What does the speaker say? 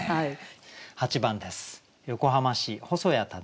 ８番です。